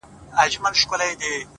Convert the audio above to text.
هغه مه ښوروه ژوند راڅخـه اخلي ـ